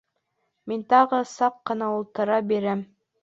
Мин тағы саҡ ҡына ултыра бирәм.